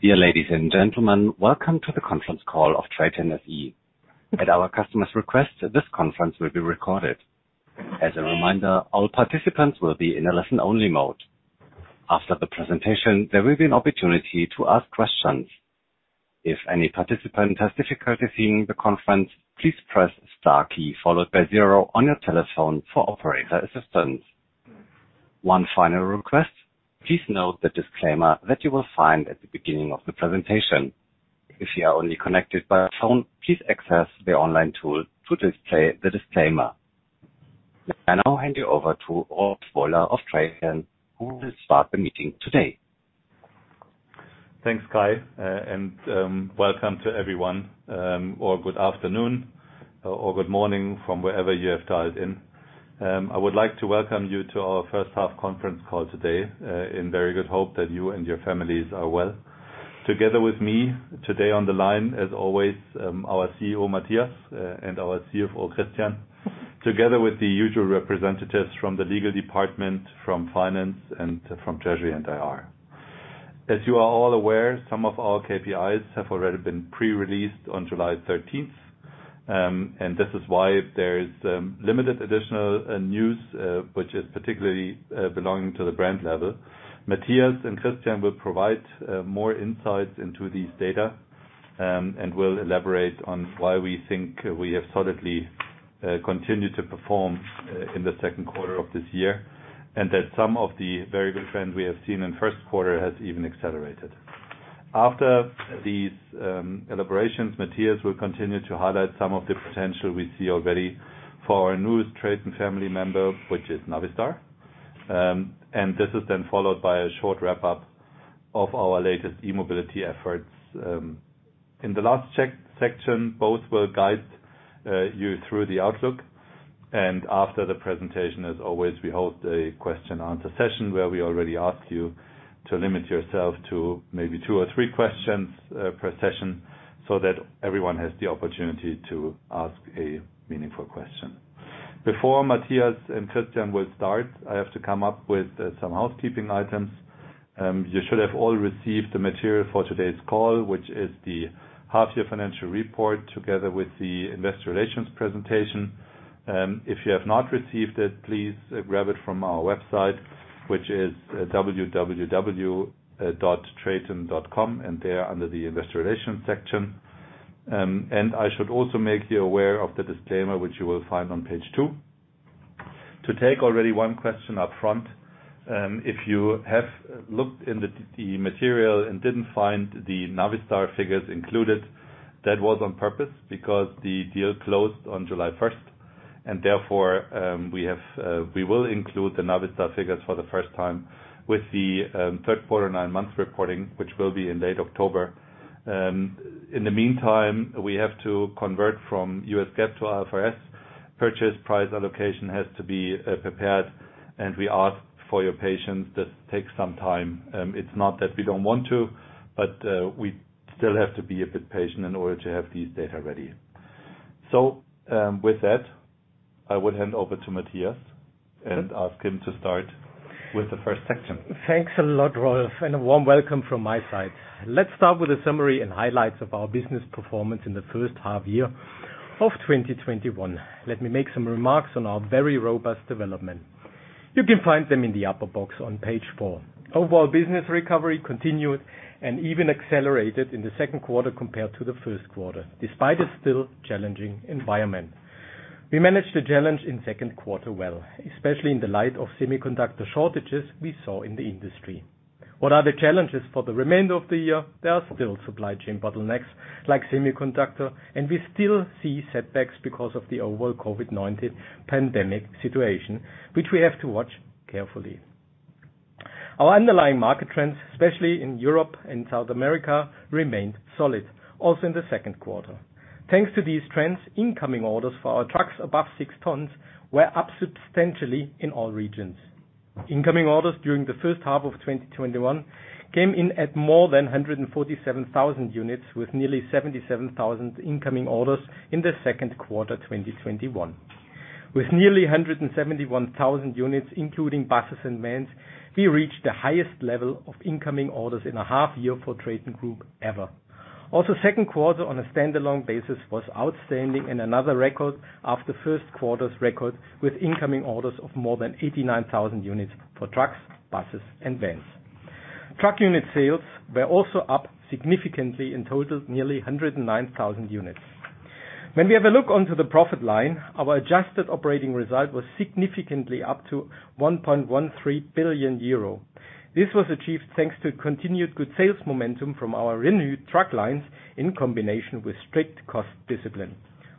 Dear ladies and gentlemen, welcome to the conference call of TRATON SE. At our customer's request, this conference will be recorded. As a reminder, all participants will be in a listen-only mode. After the presentation, there will be an opportunity to ask questions. If any participant has difficulty hearing the conference, please press star key followed by zero on your telephone for operator assistance. One final request, please note the disclaimer that you will find at the beginning of the presentation. If you are only connected by phone, please access the online tool to display the disclaimer. I now hand you over to Rolf Woller of TRATON, who will start the meeting today. Thanks, Kai, and welcome to everyone, or good afternoon or good morning from wherever you have dialed in. I would like to welcome you to our first half conference call today in very good hope that you and your families are well. Together with me today on the line, as always, our CEO, Matthias, and our CFO, Christian. Together with the usual representatives from the legal department, from finance, and from treasury and IR. As you are all aware, some of our KPIs have already been pre-released on July 13th, and this is why there is limited additional news, which is particularly belonging to the brand level. Matthias and Christian will provide more insights into these data and will elaborate on why we think we have solidly continued to perform in the second quarter of this year. That some of the very good trend we have seen in first quarter has even accelerated. After these elaborations, Matthias will continue to highlight some of the potential we see already for our newest TRATON family member, which is Navistar. This is then followed by a short wrap-up of our latest e-mobility efforts. In the last section, both will guide you through the outlook, and after the presentation, as always, we hold a question and answer session,, where we already ask you to limit yourself to maybe two or three questions per session so that everyone has the opportunity to ask a meaningful question. Before Matthias and Christian will start, I have to come up with some housekeeping items. You should have all received the material for today's call, which is the half-year financial report, together with the investor relations presentation. If you have not received it, please grab it from our website, which is www.traton.com, and there under the investor relations section. I should also make you aware of the disclaimer, which you will find on page two. To take already one question up front, if you have looked in the material and didn't find the Navistar figures included, that was on purpose because the deal closed on July 1st, and therefore, we will include the Navistar figures for the first time with the third quarter nine months reporting, which will be in late October. In the meantime, we have to convert from U.S. GAAP to IFRS. Purchase price allocation has to be prepared, and we ask for your patience. This takes some time. It's not that we don't want to, but we still have to be a bit patient in order to have these data ready. With that, I would hand over to Matthias and ask him to start with the first section. Thanks a lot, Rolf, and a warm welcome from my side. Let's start with a summary and highlights of our business performance in the first half year of 2021. Let me make some remarks on our very robust development. You can find them in the upper box on page four. Overall, business recovery continued and even accelerated in the second quarter compared to the first quarter, despite a still challenging environment. We managed the challenge in second quarter well, especially in the light of semiconductor shortages we saw in the industry. What are the challenges for the remainder of the year? There are still supply chain bottlenecks, like semiconductor, and we still see setbacks because of the overall COVID-19 pandemic situation, which we have to watch carefully. Our underlying market trends, especially in Europe and South America, remained solid also in the second quarter. Thanks to these trends, incoming orders for our trucks above six tons were up substantially in all regions. Incoming orders during the first half of 2021 came in at more than 147,000 units, with nearly 77,000 incoming orders in the second quarter 2021. With nearly 171,000 units, including buses and vans, we reached the highest level of incoming orders in a half year for TRATON Group ever. Also, second quarter on a standalone basis was outstanding and another record after first quarter's record with incoming orders of more than 89,000 units for trucks, buses, and vans. Truck unit sales were also up significantly. In total, nearly 109,000 units. When we have a look onto the profit line, our adjusted operating result was significantly up to 1.13 billion euro. This was achieved thanks to continued good sales momentum from our renewed truck lines in combination with strict cost discipline.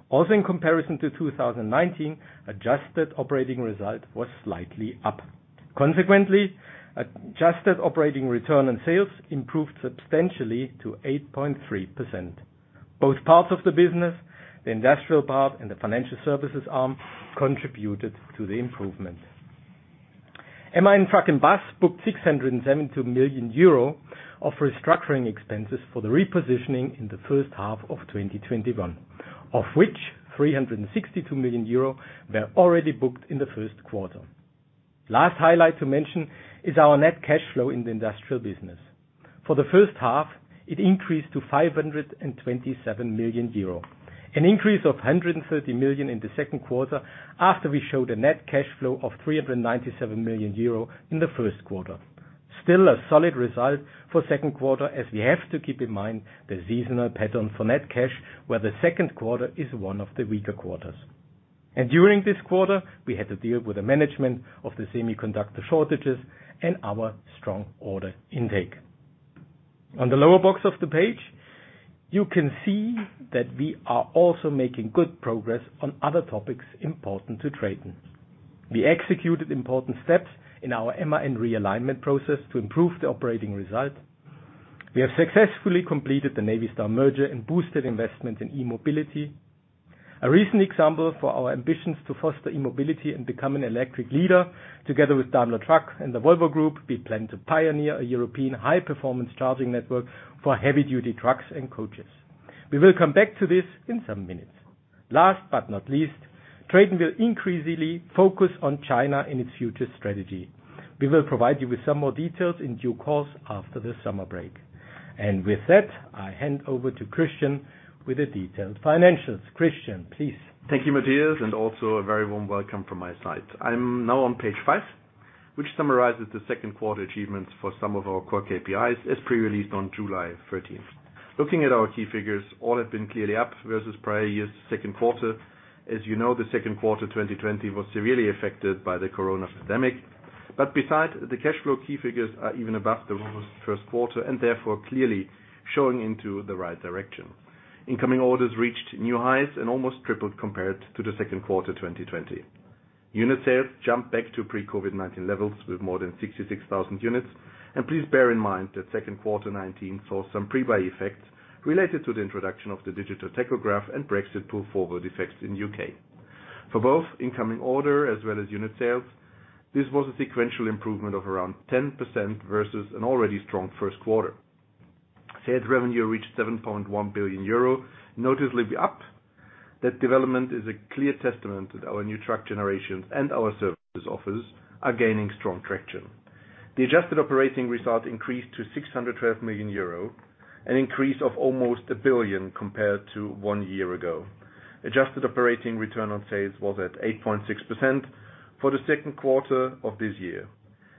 Also, in comparison to 2019, adjusted operating result was slightly up. Consequently, adjusted operating return on sales improved substantially to 8.3%. Both parts of the business, the industrial part and the financial services arm, contributed to the improvement. MAN Truck & Bus booked 672 million euro of restructuring expenses for the repositioning in the first half of 2021. Of which, 362 million euro were already booked in the first quarter. Last highlight to mention is our net cash flow in the industrial business. For the first half, it increased to 527 million euro, an increase of 130 million in the second quarter after we showed a net cash flow of 397 million euro in the first quarter. Still a solid result for second quarter, as we have to keep in mind the seasonal pattern for net cash, where the second quarter is one of the weaker quarters. During this quarter, we had to deal with the management of the semiconductor shortages and our strong order intake. On the lower box of the page, you can see that we are also making good progress on other topics important to TRATON. We executed important steps in our MAN realignment process to improve the operating result. We have successfully completed the Navistar merger and boosted investment in e-mobility. A recent example for our ambitions to foster e-mobility and become an electric leader together with Daimler Truck and the Volvo Group, we plan to pioneer a European high-performance charging network for heavy-duty trucks and coaches. We will come back to this in some minutes. Last but not least, TRATON will increasingly focus on China in its future strategy. We will provide you with some more details in due course after the summer break. With that, I hand over to Christian with the detailed financials. Christian, please. Thank you, Matthias, and also a very warm welcome from my side. I'm now on page five, which summarizes the second quarter achievements for some of our core KPIs as pre-released on July 13th. Looking at our key figures, all have been clearly up versus prior year's second quarter. As you know, the second quarter 2020 was severely affected by the corona pandemic. Besides, the cash flow key figures are even above the robust first quarter and therefore clearly showing into the right direction. Incoming orders reached new highs and almost tripled compared to the second quarter 2020. Unit sales jumped back to pre-COVID-19 levels with more than 66,000 units. Please bear in mind that second quarter 2019 saw some pre-buy effects related to the introduction of the digital tachograph and Brexit pull-forward effects in U.K. For both incoming order as well as unit sales, this was a sequential improvement of around 10% versus an already strong first quarter. Sales revenue reached 7.1 billion euro, noticeably up. That development is a clear testament that our new truck generations and our services offers are gaining strong traction. The adjusted operating result increased to 612 million euro, an increase of almost 1 billion compared to one year ago. Adjusted operating return on sales was at 8.6% for the second quarter of this year.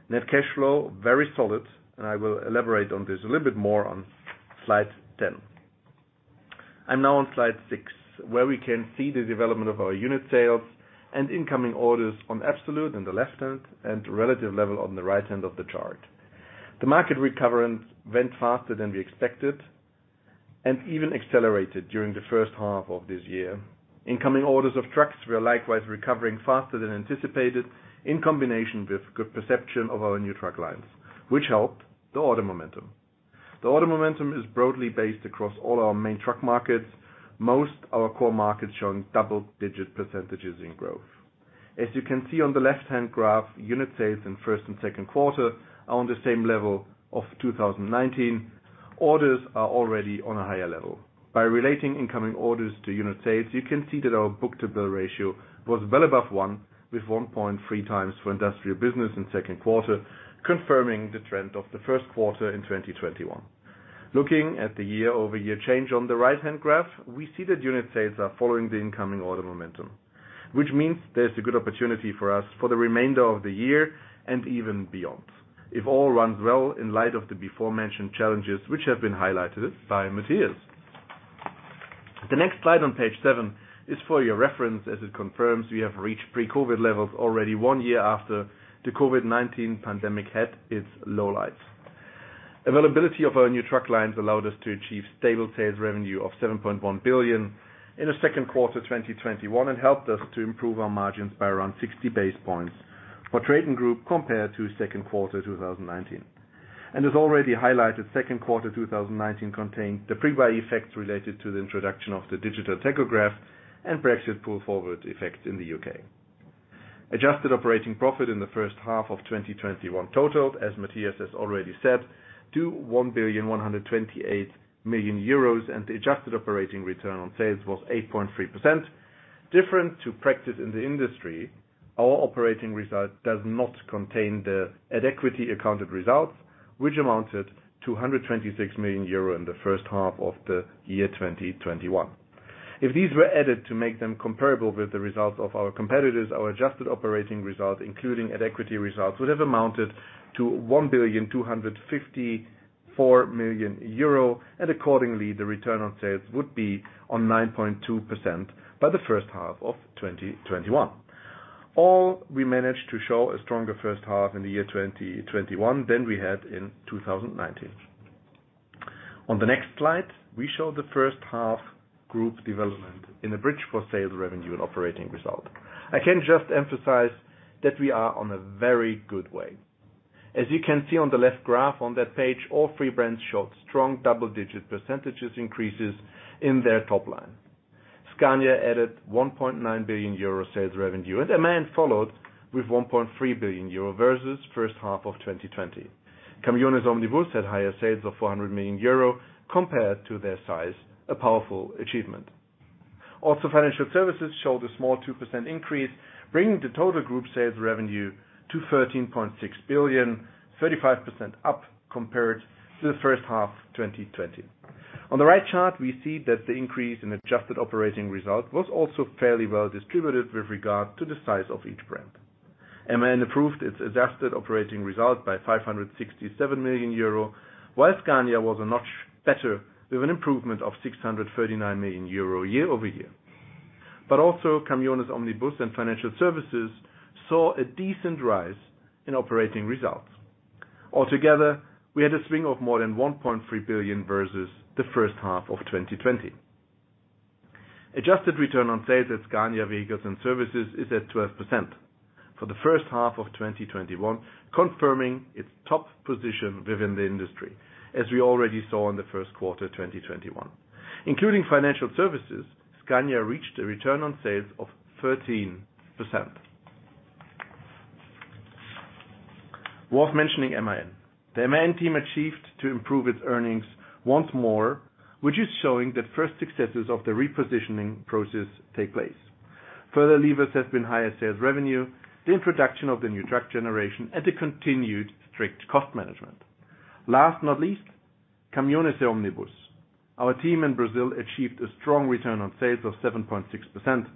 Net cash flow, very solid, and I will elaborate on this a little bit more on slide 10. I'm now on slide six, where we can see the development of our unit sales and incoming orders on absolute on the left-hand and relative level on the right-hand of the chart. The market recovery went faster than we expected and even accelerated during the first half of this year. Incoming orders of trucks were likewise recovering faster than anticipated, in combination with good perception of our new truck lines, which helped the order momentum. The order momentum is broadly based across all our main truck markets, most our core markets showing double-digit percentage in growth. As you can see on the left-hand graph, unit sales in first and second quarter are on the same level of 2019. Orders are already on a higher level. By relating incoming orders to unit sales, you can see that our book-to-bill ratio was well above 1, with 1.3x for industrial business in second quarter, confirming the trend of the first quarter in 2021. Looking at the year-over-year change on the right-hand graph, we see that unit sales are following the incoming order momentum. Which means there's a good opportunity for us for the remainder of the year and even beyond. If all runs well in light of the beforementioned challenges, which have been highlighted by Matthias. The next slide on page seven is for your reference as it confirms we have reached pre-COVID-19 levels already one year after the COVID-19 pandemic had its low lights. Availability of our new truck lines allowed us to achieve stable sales revenue of 7.1 billion in the 2Q 2021 and helped us to improve our margins by around 60 basis points for TRATON Group compared to 2Q 2019. As already highlighted, 2Q 2019 contained the pre-buy effects related to the introduction of the digital tachograph and Brexit pull-forward effects in the UK. Adjusted operating profit in the first half of 2021 totaled, as Matthias has already said, to 1,128 million euros, and the adjusted operating return on sales was 8.3%. Different to practice in the industry, our operating result does not contain the at-equity accounted results, which amounted to 126 million euro in the first half of the year 2021. If these were added to make them comparable with the results of our competitors, our adjusted operating result, including at-equity results, would have amounted to 1,254 million euro, and accordingly, the return on sales would be on 9.2% by the first half of 2021. All we managed to show a stronger first half in the year 2021 than we had in 2019. On the next slide, we show the first half group development in a bridge for sales revenue and operating result. I can just emphasize that we are on a very good way. As you can see on the left graph on that page, all three brands showed strong double-digit percentages increases in their top line. Scania added 1.9 billion euro sales revenue, and MAN followed with 1.3 billion euro versus first half of 2020. Caminhões e Ônibus had higher sales of 400 million euro compared to their size, a powerful achievement. Also, financial services showed a small 2% increase, bringing the total group sales revenue to 13.6 billion, 35% up compared to the first half 2020. On the right chart, we see that the increase in adjusted operating result was also fairly well distributed with regard to the size of each brand. MAN improved its adjusted operating result by 567 million euro, while Scania was a notch better with an improvement of 639 million euro year-over-year. Also, Caminhões e Ônibus and financial services saw a decent rise in operating results. Altogether, we had a swing of more than 1.3 billion versus the first half of 2020. Adjusted return on sales at Scania Vehicles & Services is at 12% for the first half of 2021, confirming its top position within the industry, as we already saw in the first quarter 2021. Including financial services, Scania reached a return on sales of 13%. Worth mentioning, MAN. The MAN team achieved to improve its earnings once more, which is showing that first successes of the repositioning process take place. Further levers have been higher sales revenue, the introduction of the new truck generation, and the continued strict cost management. Last not least, Caminhões e Ônibus. Our team in Brazil achieved a strong return on sales of 7.6%.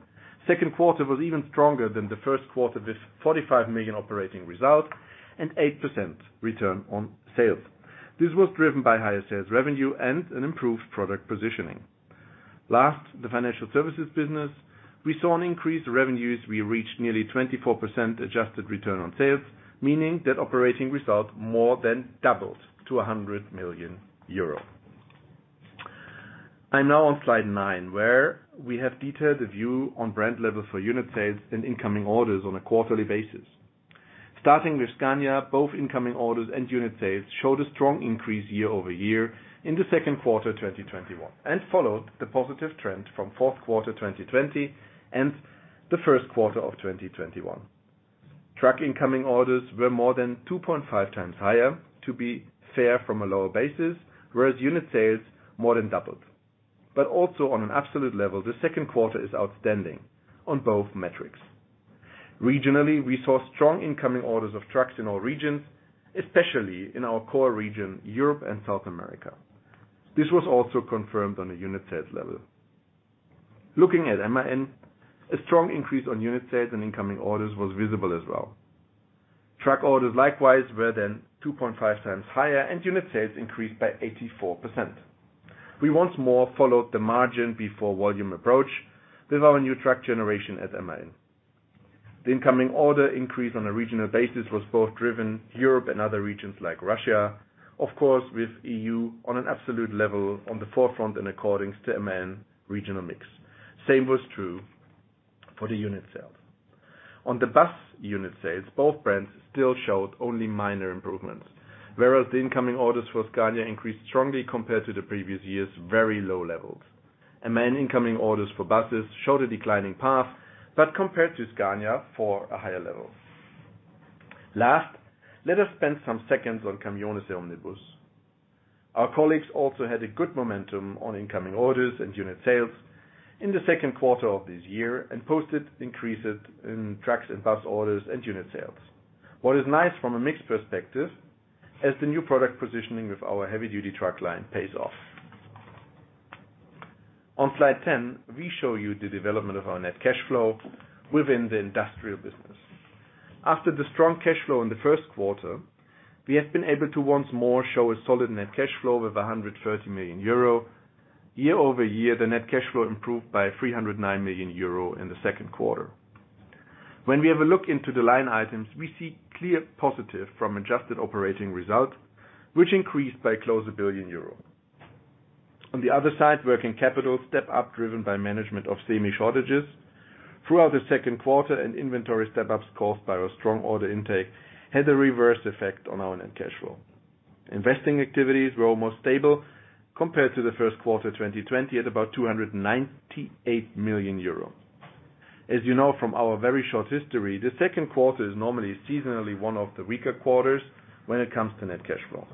Second quarter was even stronger than the first quarter, with 45 million operating result and 8% return on sales. This was driven by higher sales revenue and an improved product positioning. Last, the financial services business. We saw an increase in revenues. We reached nearly 24% adjusted return on sales, meaning that operating results more than doubled to 100 million euro. I'm now on slide nine, where we have detailed the view on brand level for unit sales and incoming orders on a quarterly basis. Starting with Scania, both incoming orders and unit sales showed a strong increase year-over-year in the second quarter 2021 and followed the positive trend from fourth quarter 2020 and the first quarter of 2021. Truck incoming orders were more than 2.5x higher, to be fair, from a lower basis, whereas unit sales more than doubled. Also, on an absolute level, the second quarter is outstanding on both metrics. Regionally, we saw strong incoming orders of trucks in all regions, especially in our core region, Europe and South America. This was also confirmed on a unit sales level. Looking at MAN, a strong increase on unit sales and incoming orders was visible as well. Truck orders likewise were then 2.5x higher, and unit sales increased by 84%. We once more followed the margin before volume approach with our new truck generation at MAN. The incoming order increase on a regional basis was both driven Europe and other regions like Russia, of course, with EU on an absolute level on the forefront and according to MAN regional mix. Same was true for the unit sales. On the bus unit sales, both brands still showed only minor improvements, whereas the incoming orders for Scania increased strongly compared to the previous year's very low levels. MAN incoming orders for buses showed a declining path, but compared to Scania, for a higher level. Last, let us spend some seconds on Caminhões e Ônibus. Our colleagues also had a good momentum on incoming orders and unit sales in the second quarter of this year and posted increases in trucks and bus orders and unit sales. What is nice from a mix perspective as the new product positioning with our heavy-duty truck line pays off. On slide 10, we show you the development of our net cash flow within the industrial business. After the strong cash flow in the first quarter, we have been able to once more show a solid net cash flow of 130 million euro. Year-over-year, the net cash flow improved by 309 million euro in the second quarter. When we have a look into the line items, we see clear positive from adjusted operating result, which increased by close to 1 billion euro. Working capital step-up driven by management of semi shortages. Throughout the second quarter, an inventory step-ups caused by our strong order intake had a reverse effect on our net cash flow. Investing activities were almost stable compared to the first quarter 2020 at about 298 million euro. As you know from our very short history, the second quarter is normally seasonally one of the weaker quarters when it comes to net cash flow.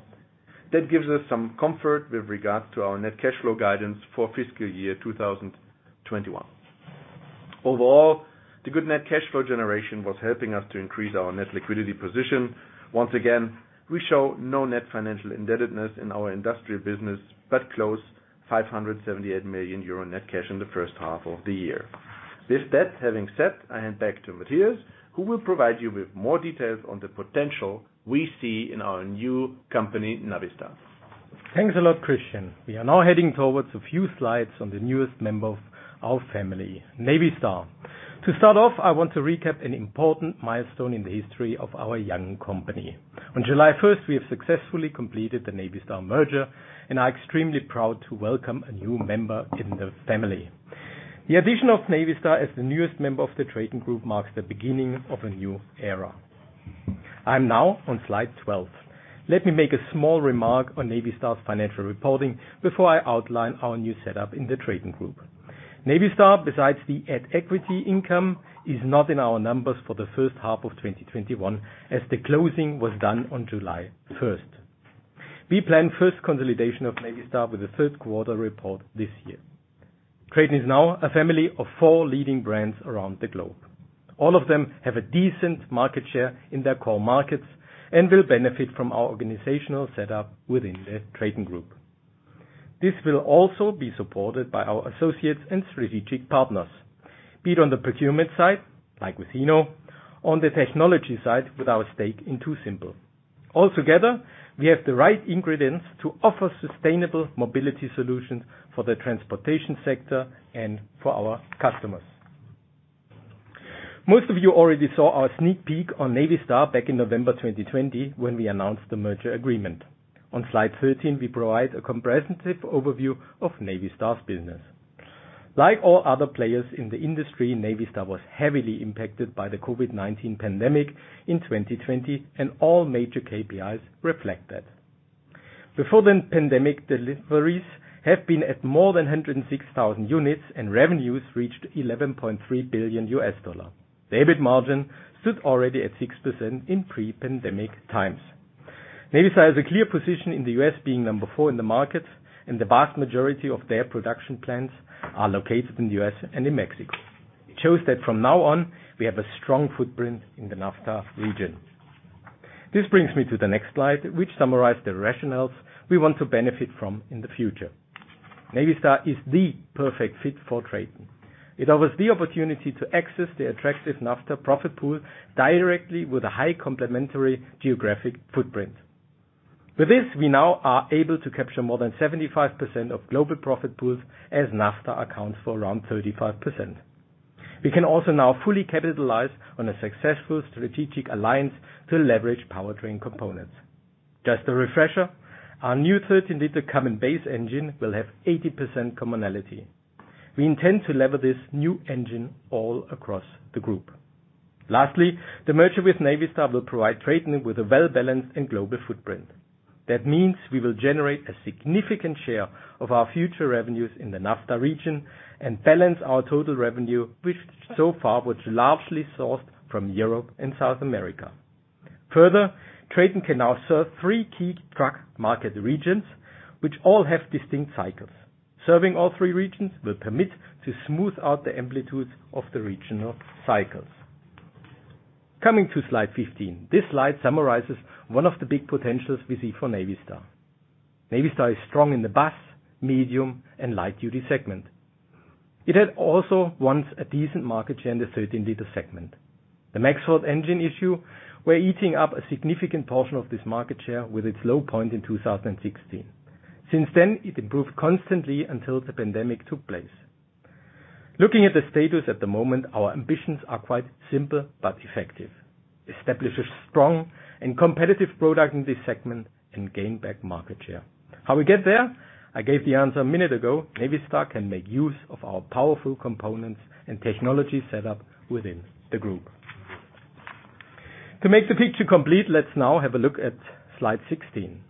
That gives us some comfort with regards to our net cash flow guidance for fiscal year 2021. The good net cash flow generation was helping us to increase our net liquidity position. Once again, we show no net financial indebtedness in our industrial business, but close to 578 million euro net cash in the first half of the year. With that having said, I hand back to Matthias, who will provide you with more details on the potential we see in our new company, Navistar. Thanks a lot, Christian. We are now heading towards a few slides on the newest member of our family, Navistar. To start off, I want to recap an important milestone in the history of our young company. On July 1st, we have successfully completed the Navistar merger and are extremely proud to welcome a new member in the family. The addition of Navistar as the newest member of the TRATON Group marks the beginning of a new era. I'm now on slide 12. Let me make a small remark on Navistar's financial reporting before I outline our new setup in the TRATON Group. Navistar, besides the at-equity income, is not in our numbers for the first half of 2021, as the closing was done on July 1st. We plan first consolidation of Navistar with the third quarter report this year. TRATON is now a family of four leading brands around the globe. All of them have a decent market share in their core markets and will benefit from our organizational setup within the TRATON Group. This will also be supported by our associates and strategic partners, be it on the procurement side, like with Hino, on the technology side with our stake in TuSimple. Altogether, we have the right ingredients to offer sustainable mobility solutions for the transportation sector and for our customers. Most of you already saw our sneak peek on Navistar back in November 2020 when we announced the merger agreement. On slide 13, we provide a comprehensive overview of Navistar's business. Like all other players in the industry, Navistar was heavily impacted by the COVID-19 pandemic in 2020, and all major KPIs reflect that. Before the pandemic, deliveries have been at more than 106,000 units, and revenues reached $11.3 billion. The EBIT margin stood already at 6% in pre-pandemic times. Navistar has a clear position in the U.S., being number four in the market, and the vast majority of their production plants are located in the U.S. and in Mexico. It shows that from now on, we have a strong footprint in the NAFTA region. This brings me to the next slide, which summarize the rationales we want to benefit from in the future. Navistar is the perfect fit for TRATON. It offers the opportunity to access the attractive NAFTA profit pool directly with a high complementary geographic footprint. With this, we now are able to capture more than 75% of global profit pools, as NAFTA accounts for around 35%. We can also now fully capitalize on a successful strategic alliance to leverage powertrain components. Just a refresher, our new 13-liter common base engine will have 80% commonality. We intend to lever this new engine all across the group. Lastly, the merger with Navistar will provide TRATON with a well-balanced and global footprint. That means we will generate a significant share of our future revenues in the NAFTA region and balance our total revenue, which so far was largely sourced from Europe and South America. Further, TRATON can now serve three key truck market regions, which all have distinct cycles. Serving all three regions will permit to smooth out the amplitudes of the regional cycles. Coming to slide 15. This slide summarizes one of the big potentials we see for Navistar. Navistar is strong in the bus, medium, and light-duty segment. It had also once a decent market share in the 13-liter segment. The MaxxForce engine issue were eating up a significant portion of this market share with its low point in 2016. Since then, it improved constantly until the pandemic took place. Looking at the status at the moment, our ambitions are quite simple but effective. Establish a strong and competitive product in this segment and gain back market share. How we get there? I gave the answer a minute ago. Navistar can make use of our powerful components and technology setup within the Group. To make the picture complete, let's now have a look at slide 16.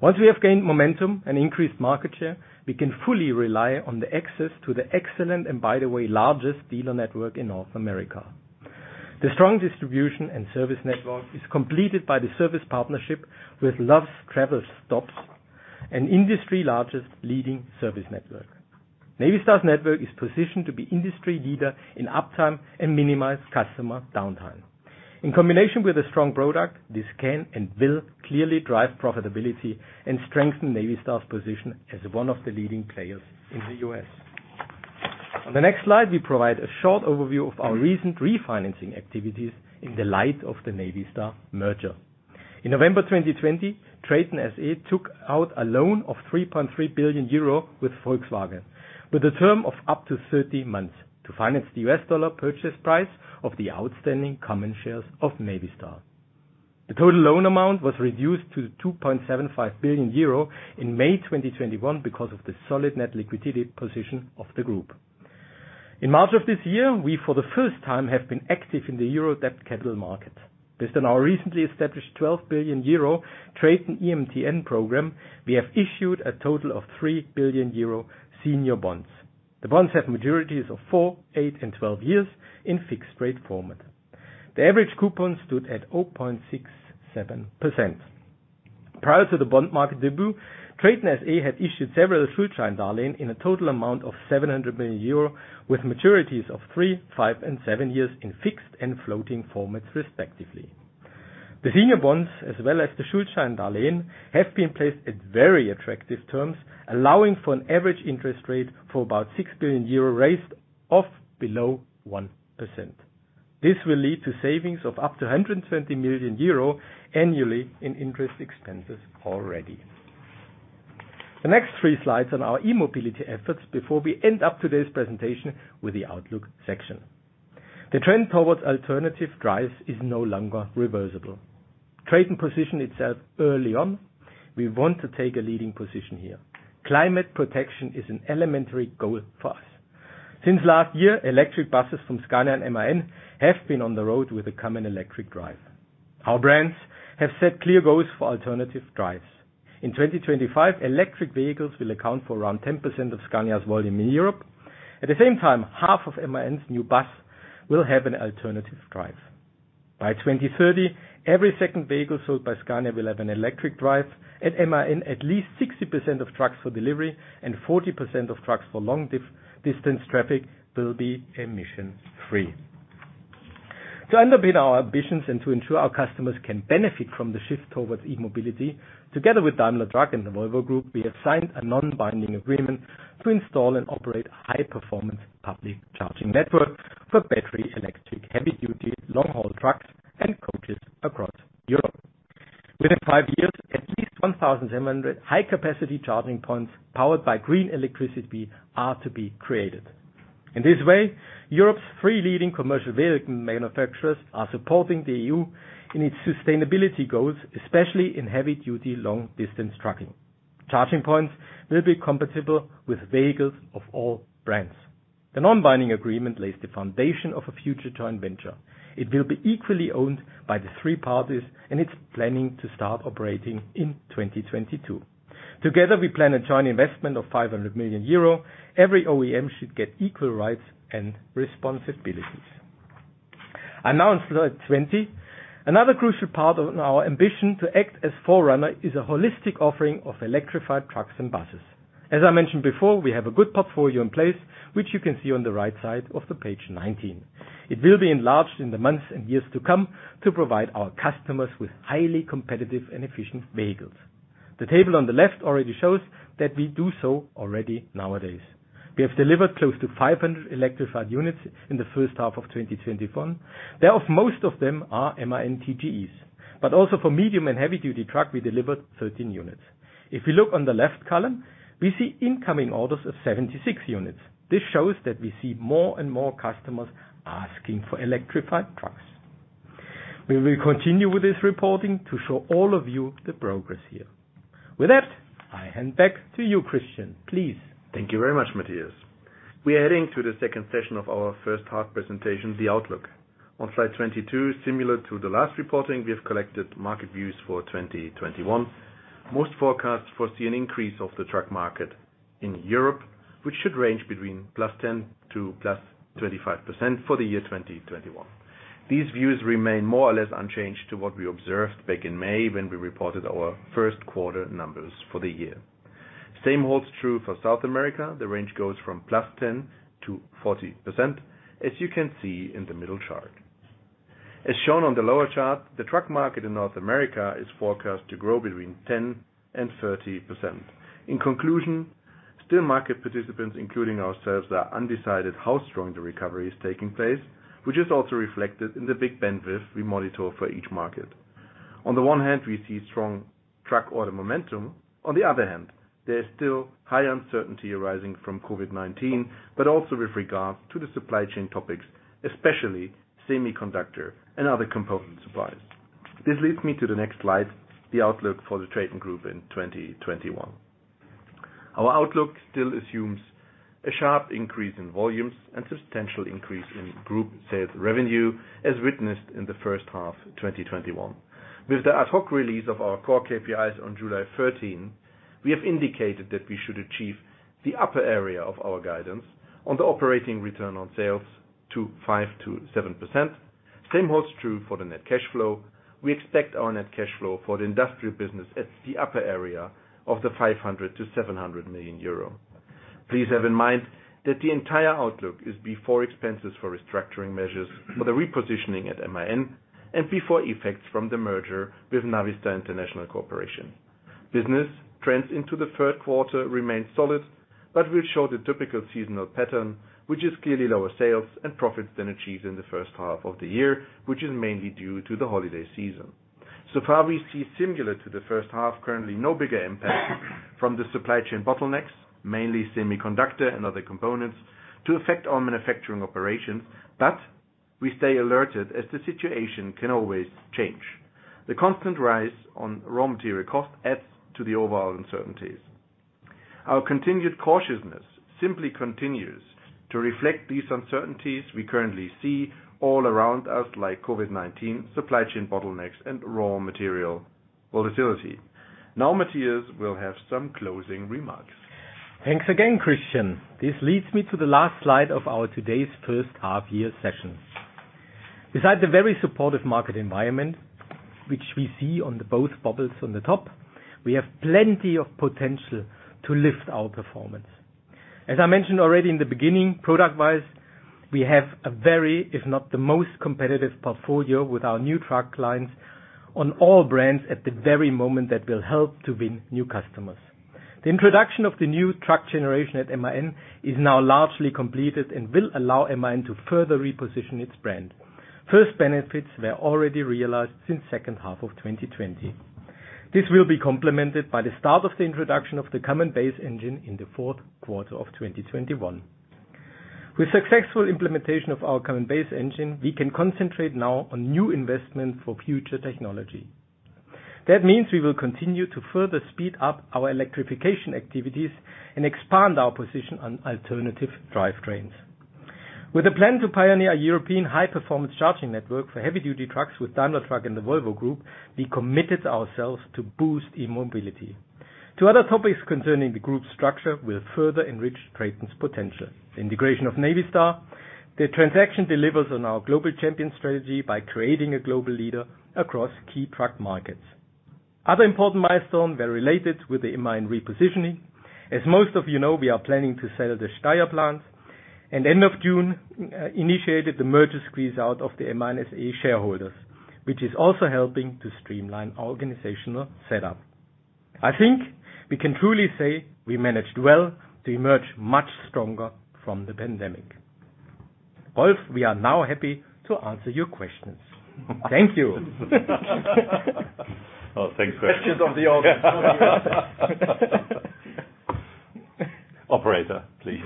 Once we have gained momentum and increased market share, we can fully rely on the access to the excellent and, by the way, largest dealer network in North America. The strong distribution and service network is completed by the service partnership with Love's Travel Stops and industry's largest leading service network. Navistar's network is positioned to be industry leader in uptime and minimize customer downtime. In combination with a strong product, this can and will clearly drive profitability and strengthen Navistar's position as one of the leading players in the U.S. On the next slide, we provide a short overview of our recent refinancing activities in the light of the Navistar merger. In November 2020, TRATON SE took out a loan of 3.3 billion euro with Volkswagen with a term of up to 30 months to finance the US dollar purchase price of the outstanding common shares of Navistar. The total loan amount was reduced to 2.75 billion euro in May 2021 because of the solid net liquidity position of the group. In March of this year, we, for the first time, have been active in the euro debt capital market. With the now recently established 12 billion euro TRATON EMTN program, we have issued a total of 3 billion euro senior bonds. The bonds have maturities of four, eight, and 12 years in fixed-rate format. The average coupon stood at 0.67%. Prior to the bond market debut, TRATON SE had issued several Schuldscheindarlehen in a total amount of 700 million euro with maturities of three, five, and seven years in fixed and floating formats, respectively. The senior bonds, as well as the Schuldscheindarlehen, have been placed at very attractive terms, allowing for an average interest rate for about 6 billion euro raised of below 1%. This will lead to savings of up to 120 million euro annually in interest expenses already. The next three slides on our e-mobility efforts before we end up today's presentation with the outlook section. The trend towards alternative drives is no longer reversible. TRATON positioned itself early on. We want to take a leading position here. Climate protection is an elementary goal for us. Since last year, electric buses from Scania and MAN have been on the road with a common electric drive. Our brands have set clear goals for alternative drives. In 2025, electric vehicles will account for around 10% of Scania's volume in Europe. At the same time, half of MAN's new bus will have an alternative drive. By 2030, every second vehicle sold by Scania will have an electric drive. At MAN, at least 60% of trucks for delivery and 40% of trucks for long-distance traffic will be emission-free. To underpin our ambitions and to ensure our customers can benefit from the shift towards e-mobility, together with Daimler Truck and the Volvo Group, we have signed a non-binding agreement to install and operate a high-performance public charging network for battery electric heavy-duty long-haul trucks and coaches across Europe. Within five years, at least 1,700 high-capacity charging points powered by green electricity are to be created. In this way, Europe's three leading commercial vehicle manufacturers are supporting the EU in its sustainability goals, especially in heavy-duty, long-distance trucking. Charging points will be compatible with vehicles of all brands. The non-binding agreement lays the foundation of a future joint venture. It will be equally owned by the three parties, and it's planning to start operating in 2022. Together, we plan a joint investment of 500 million euro. Every OEM should get equal rights and responsibilities. Now on slide 20. Another crucial part of our ambition to act as forerunner is a holistic offering of electrified trucks and buses. As I mentioned before, we have a good portfolio in place, which you can see on the right side of the page 19. It will be enlarged in the months and years to come to provide our customers with highly competitive and efficient vehicles. The table on the left already shows that we do so already nowadays. We have delivered close to 500 electrified units in the first half of 2021. Thereof, most of them are MAN TGEs, but also for medium and heavy duty truck, we delivered 13 units. If you look on the left column, we see incoming orders of 76 units. This shows that we see more and more customers asking for electrified trucks. We will continue with this reporting to show all of you the progress here. With that, I hand back to you, Christian, please. Thank you very much, Matthias. We are heading to the second session of our first half presentation, the outlook. On slide 22, similar to the last reporting, we have collected market views for 2021. Most forecasts foresee an increase of the truck market in Europe, which should range between +10% to +25% for the year 2021. These views remain more or less unchanged to what we observed back in May when we reported our first quarter numbers for the year. Same holds true for South America. The range goes from +10% to 40%, as you can see in the middle chart. As shown on the lower chart, the truck market in North America is forecast to grow between 10% and 30%. In conclusion, still market participants, including ourselves, are undecided how strong the recovery is taking place, which is also reflected in the big bandwidth we monitor for each market. On the one hand, we see strong truck order momentum. On the other hand, there is still high uncertainty arising from COVID-19, but also with regard to the supply chain topics, especially semiconductor and other component supplies. This leads me to the next slide, the outlook for the TRATON Group in 2021. Our outlook still assumes a sharp increase in volumes and substantial increase in group sales revenue as witnessed in the first half 2021. With the ad hoc release of our core KPIs on July 13, we have indicated that we should achieve the upper area of our guidance on the operating return on sales to 5%-7%. Same holds true for the net cash flow. We expect our net cash flow for the industrial business at the upper area of the 500 million-700 million euro. Please have in mind that the entire outlook is before expenses for restructuring measures for the repositioning at MAN, and before effects from the merger with Navistar International Corporation. Business trends into the third quarter remain solid, but will show the typical seasonal pattern, which is clearly lower sales and profits than achieved in the first half of the year, which is mainly due to the holiday season. We see similar to the first half, currently no bigger impact from the supply chain bottlenecks, mainly semiconductor and other components, to affect our manufacturing operations. We stay alerted as the situation can always change. The constant rise on raw material cost adds to the overall uncertainties. Our continued cautiousness simply continues to reflect these uncertainties we currently see all around us, like COVID-19, supply chain bottlenecks, and raw material volatility. Now Matthias will have some closing remarks. Thanks again, Christian. This leads me to the last slide of our today's first half-year session. Besides the very supportive market environment, which we see on the both bubbles on the top, we have plenty of potential to lift our performance. As I mentioned already in the beginning, product-wise, we have a very, if not the most competitive, portfolio with our new truck clients on all brands at the very moment that will help to win new customers. The introduction of the new truck generation at MAN is now largely completed and will allow MAN to further reposition its brand. First benefits were already realized since second half of 2020. This will be complemented by the start of the introduction of the common base engine in the fourth quarter of 2021. With successful implementation of our common base engine, we can concentrate now on new investment for future technology. That means we will continue to further speed up our electrification activities and expand our position on alternative drivetrains. With a plan to pioneer a European high-performance charging network for heavy-duty trucks with Daimler Truck and the Volvo Group, we committed ourselves to boost e-mobility. Two other topics concerning the group structure will further enrich TRATON's potential. The integration of Navistar. The transaction delivers on our global champion strategy by creating a global leader across key truck markets. Other important milestones were related with the MAN repositioning. As most of you know, we are planning to sell the Steyr plants, and end of June, initiated the merger squeeze-out of the MAN SE shareholders, which is also helping to streamline organizational setup. I think we can truly say we managed well to emerge much stronger from the pandemic. Rolf, we are now happy to answer your questions. Thank you. Oh, thanks. Questions of the audience. Operator, please.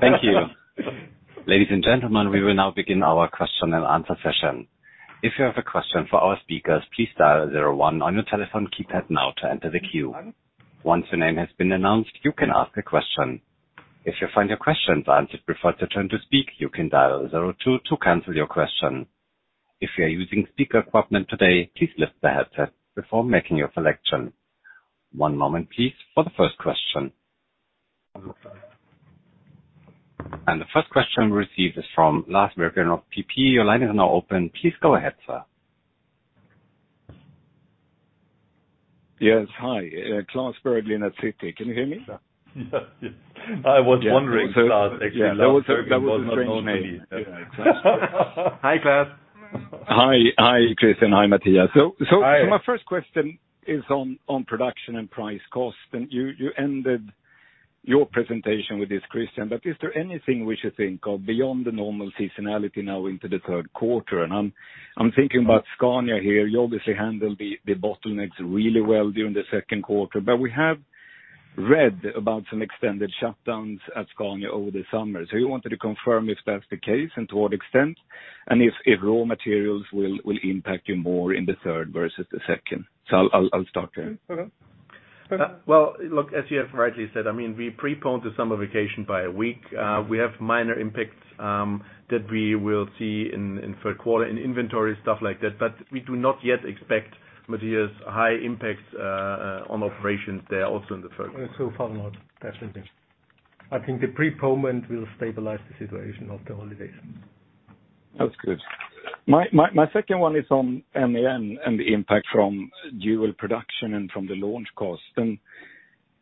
Thank you. Ladies and gentlemen, we will now begin our question-and-answer session. If you have a question for our speakers, please dial zero one on your telephone keypad now to enter the queue. Once your name has been announced, you can ask a question. If you find your question answered before it's your turn to speak, you can dial zero two to cancel your question. If you are using speakerphone today, please lift the headset before making your selection. One moment, please, for the first question. The first question received is from Klas Bergelind of Citi. Your line is now open. Please go ahead, sir. Yes. Hi. Klas Bergelind at Citi. Can you hear me, sir? Yes. I was wondering, Klas, actually. That was a strange name. Hi, Klas. Hi, Christian. Hi, Matthias. My first question is on production and price cost. You ended your presentation with this, Christian. Is there anything we should think of beyond the normal seasonality now into the third quarter? I'm thinking about Scania here. You obviously handled the bottlenecks really well during the second quarter. We have read about some extended shutdowns at Scania over the summer. You wanted to confirm if that's the case and to what extent, if raw materials will impact you more in the third versus the second. I'll start there. Well, look, as you have rightly said, we preponed the summer vacation by a week. We have minor impacts that we will see in third quarter in inventory, stuff like that, but we do not yet expect, Matthias, high impacts on operations there also in the third quarter. So far, not. Definitely. I think the preponement will stabilize the situation of the holidays. That's good. My second one is on MAN and the impact from dual production and from the launch cost.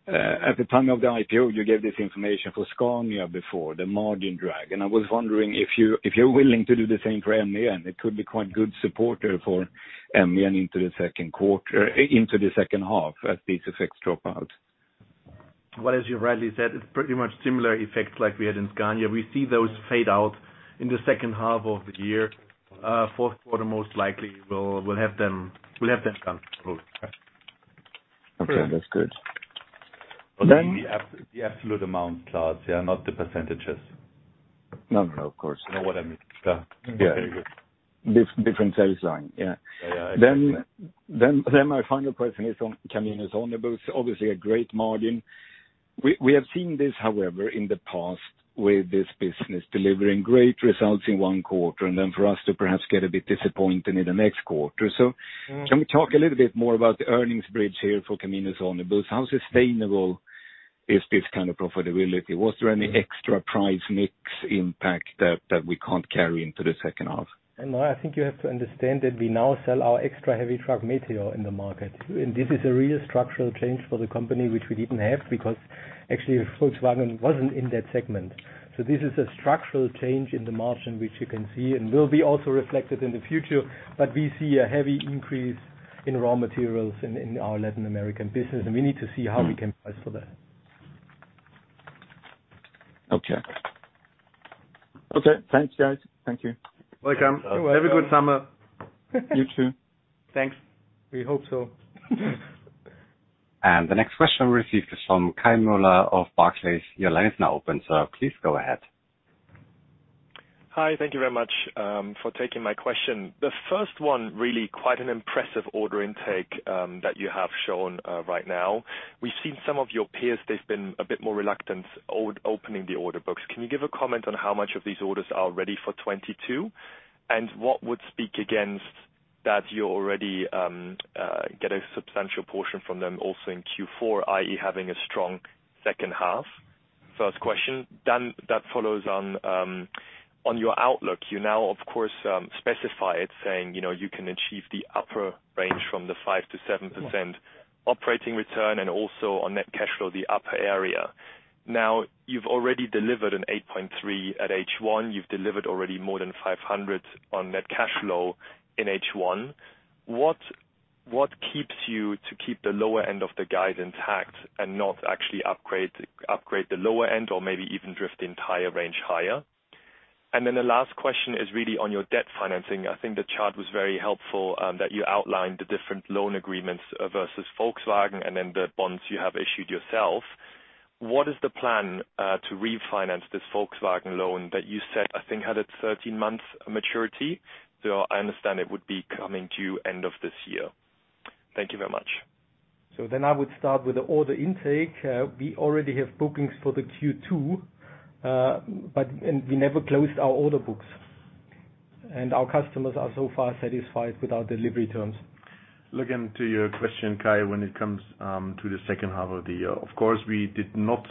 At the time of the IPO, you gave this information for Scania before, the margin drag, and I was wondering if you're willing to do the same for MAN. It could be quite good supporter for MAN into the second half as these effects drop out. Well, as you rightly said, it's pretty much similar effects like we had in Scania. We see those fade out in the second half of the year. Fourth quarter, most likely we'll have them gone. Okay, that's good. The absolute amount, Klas. Yeah, not the percentages. No, of course. You know what I mean. Yeah. Very good. Different sales line. Yeah, exactly. My final question is on Caminhões e Ônibus. Obviously, a great margin. We have seen this, however, in the past with this business delivering great results in one quarter, then for us to perhaps get a bit disappointed in the next quarter. Can we talk a little bit more about the earnings bridge here for Caminhões e Ônibus? How sustainable is this kind of profitability? Was there any extra price mix impact that we can't carry into the second half? No, I think you have to understand that we now sell our extra heavy truck, Meteor, in the market. This is a real structural change for the company, which we didn't have because, actually Volkswagen wasn't in that segment. This is a structural change in the margin, which you can see and will be also reflected in the future. We see a heavy increase in raw materials in our Latin American business, and we need to see how we can price for that. Okay. Thanks, guys. Thank you. Welcome. Have a good summer. You too. Thanks. We hope so. The next question received is from Kai Mueller of Barclays. Your line is now open, sir. Please go ahead. Hi. Thank you very much for taking my question. The first one, really quite an impressive order intake that you have shown right now. We've seen some of your peers, they've been a bit more reluctant opening the order books. Can you give a comment on how much of these orders are ready for 2022? What would speak against that you already get a substantial portion from them also in Q4, i.e. having a strong second half? First question. That follows on your outlook. You now of course specify it, saying, you can achieve the upper range from the 5%-7% operating return and also on net cash flow, the upper area. You've already delivered an 8.3% at H1. You've delivered already more than 500 on net cash flow in H1. What keeps you to keep the lower end of the guide intact and not actually upgrade the lower end or maybe even drift the entire range higher? The last question is really on your debt financing. I think the chart was very helpful, that you outlined the different loan agreements versus Volkswagen and then the bonds you have issued yourself. What is the plan to refinance this Volkswagen loan that you said, I think, had a 13-month maturity? I understand it would be coming to end of this year. Thank you very much. I would start with the order intake. We already have bookings for the Q2, and we never closed our order books. Our customers are so far satisfied with our delivery terms. Looking to your question, Kai, when it comes to the second half of the year, of course, we did not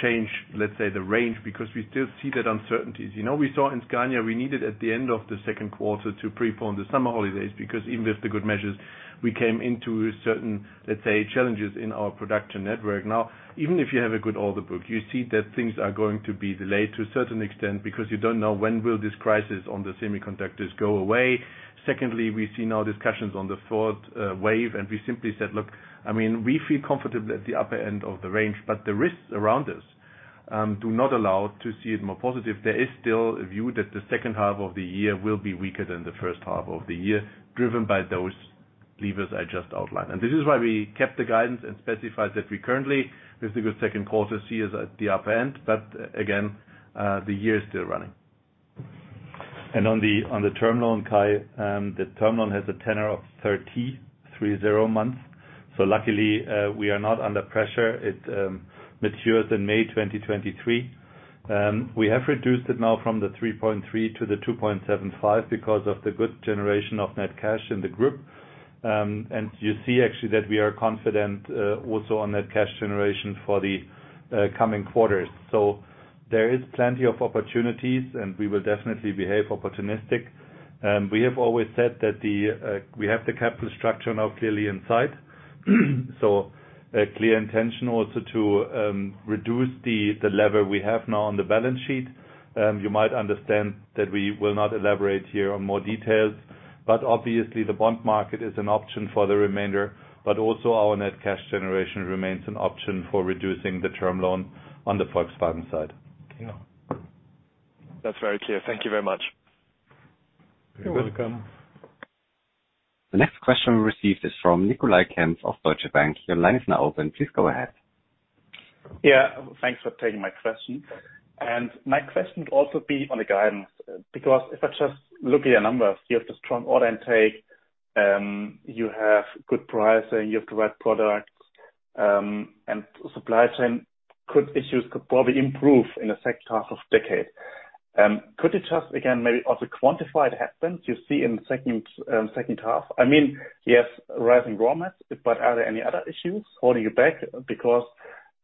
change, let's say, the range, because we still see that uncertainties. We saw in Scania, we needed, at the end of the second quarter, to pre-plan the summer holidays, because even with the good measures, we came into certain, let's say, challenges in our production network. Now, even if you have a good order book, you see that things are going to be delayed to a certain extent because you don't know when will this crisis on the semiconductors go away. Secondly, we see now discussions on the fourth wave, and we simply said, look, we feel comfortable at the upper end of the range, but the risks around us do not allow to see it more positive. There is still a view that the second half of the year will be weaker than the first half of the year, driven by those levers I just outlined. This is why we kept the guidance and specified that we currently, with the good second quarter, see as at the upper end. Again, the year is still running. On the term loan, Kai, the term loan has a tenor of 30, three zero months. Luckily, we are not under pressure. It matures in May 2023. We have reduced it now from the 3.3 to 2.75 because of the good generation of net cash in the group. You see actually that we are confident also on net cash generation for the coming quarters. There is plenty of opportunities, and we will definitely behave opportunistic. We have always said that we have the capital structure now clearly in sight. A clear intention also to reduce the lever we have now on the balance sheet. You might understand that we will not elaborate here on more details, but obviously, the bond market is an option for the remainder, but also our net cash generation remains an option for reducing the term loan on the Volkswagen side. Yeah. That's very clear. Thank you very much. You're welcome. You're welcome. The next question we received is from Nicolai Kempf of Deutsche Bank. Your line is now open. Please go ahead. Yeah, thanks for taking my question. My question would also be on the guidance, because if I just look at your numbers, you have the strong order intake, you have good pricing, you have the right products, and supply chain issues could probably improve in the second half of the decade. Could you just, again, maybe also quantify what happens you see in the second half? Yes, rising raw mats, but are there any other issues holding you back? Because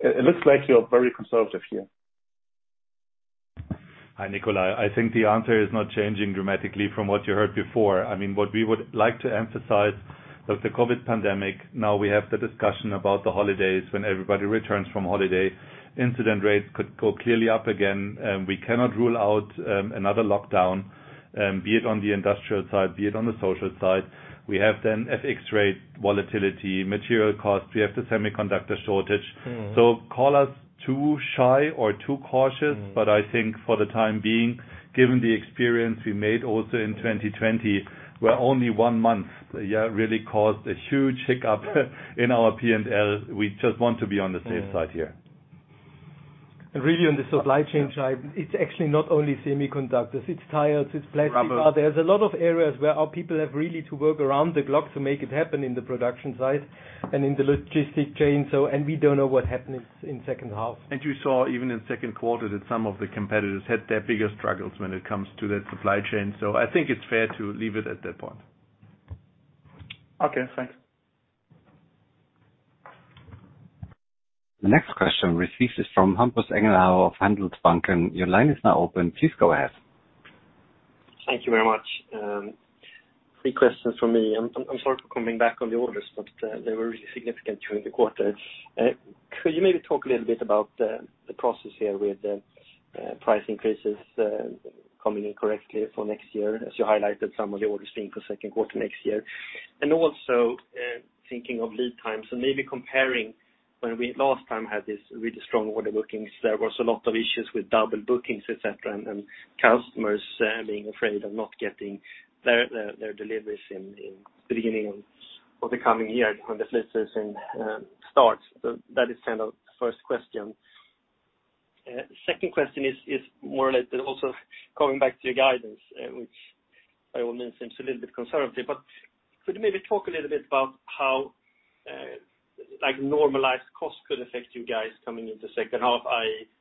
it looks like you're very conservative here. Hi, Nicolai. I think the answer is not changing dramatically from what you heard before. What we would like to emphasize with the COVID-19 pandemic, now we have the discussion about the holidays, when everybody returns from holiday. Incident rates could go clearly up again. We cannot rule out another lockdown, be it on the industrial side, be it on the social side. We have FX rate volatility, material cost. We have the semiconductor shortage. Call us too shy or too cautious, but I think for the time being, given the experience we made also in 2020, where only one month really caused a huge hiccup in our P&L. We just want to be on the safe side here. Really on the supply chain side, it's actually not only semiconductors. It's tires, it's plastic. Rubber There's a lot of areas where our people have really to work around the clock to make it happen in the production side and in the logistic chain. We don't know what happens in second half. You saw even in the second quarter that some of the competitors had their bigger struggles when it comes to that supply chain. I think it's fair to leave it at that point. Okay, thanks. The next question received is from Hampus Engellau of Handelsbanken. Your line is now open. Please go ahead. Thank you very much. Three questions from me. I am sorry for coming back on the orders; they were really significant during the quarter. Could you maybe talk a little bit about the process here with the price increases coming in correctly for next year? As you highlighted, some of the orders being for second quarter next year. Also, thinking of lead times and maybe comparing when we last time had this really strong order bookings, there was a lot of issues with double bookings, et cetera, and customers being afraid of not getting their deliveries in the beginning of the coming year when the fleet season starts. That is kind of the first question. Second question is more or less also coming back to your guidance, which by all means seems a little bit conservative, but could you maybe talk a little bit about how normalized costs could affect you guys coming into second half?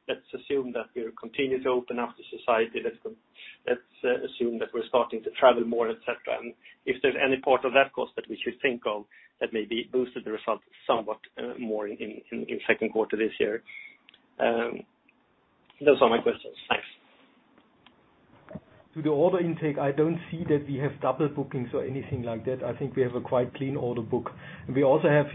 Let's assume that we'll continue to open up the society. Let's assume that we're starting to travel more, et cetera, and if there's any part of that cost that we should think of that maybe boosted the results somewhat more in second quarter this year. Those are my questions. Thanks. To the order intake, I don't see that we have double bookings or anything like that. I think we have a quite clean order book. We also have,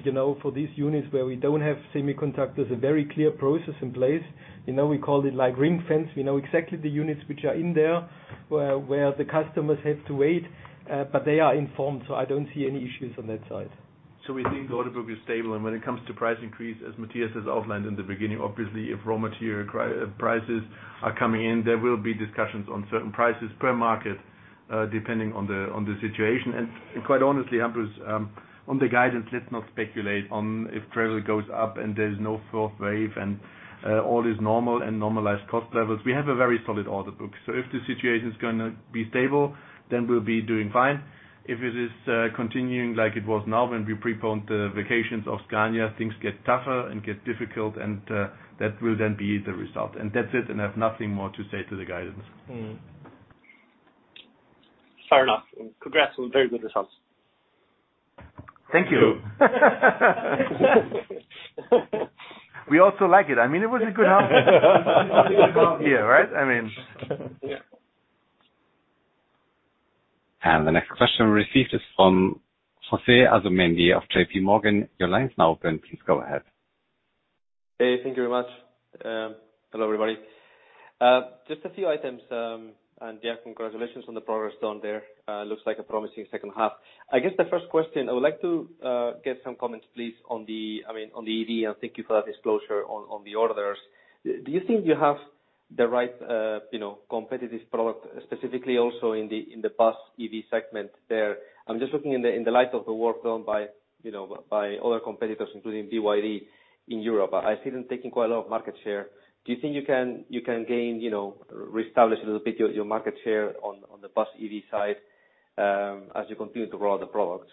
for these units where we don't have semiconductors, a very clear process in place. We call it ring fence. We know exactly the units which are in there, where the customers have to wait. They are informed, so I don't see any issues on that side. We think the order book is stable. When it comes to price increase, as Matthias has outlined in the beginning, obviously, if raw material prices are coming in, there will be discussions on certain prices per market, depending on the situation. Quite honestly, Hampus, on the guidance, let's not speculate on if travel goes up and there's no fourth wave and all is normal and normalized cost levels. We have a very solid order book. If the situation is going to be stable, then we'll be doing fine. If it is continuing like it was now, when we preponed the vacations of Scania, things get tougher and get difficult, and that will then be the result. That's it, and I have nothing more to say to the guidance. Fair enough. Congrats on very good results. Thank you. We also like it. It was a good half year, right? The next question received is from José Asumendi of JPMorgan. Your line is now open. Please go ahead. Hey, thank you very much. Hello, everybody. Just a few items. Yeah, congratulations on the progress done there. Looks like a promising second half. I guess the first question, I would like to get some comments, please, on the EV. Thank you for that disclosure on the orders. Do you think you have the right competitive product, specifically also in the bus EV segment there? I'm just looking in the light of the work done by other competitors, including BYD in Europe. I see them taking quite a lot of market share. Do you think you can gain, reestablish a little bit your market share on the bus EV side as you continue to roll out the products?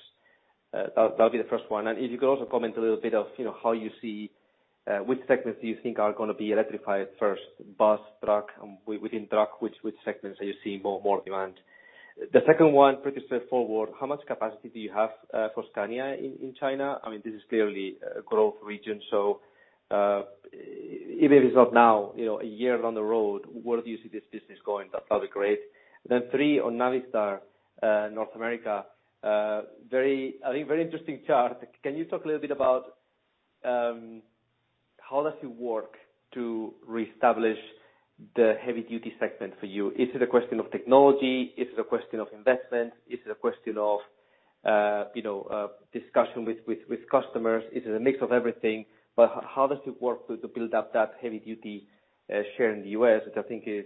That'll be the first one. If you could also comment a little bit of how you see which segments do you think are going to be electrified first. Bus, truck, within truck, which segments are you seeing more demand? The second one, pretty straightforward. How much capacity do you have for Scania in China? This is clearly a growth region. If it is not now, a year down the road, where do you see this business going? That'll be great. Three, on Navistar, North America. I think very interesting chart. Can you talk a little bit about how does it work to reestablish the heavy-duty segment for you? Is it a question of technology? Is it a question of investment? Is it a question of discussion with customers? Is it a mix of everything? How does it work to build up that heavy-duty share in the U.S., which I think is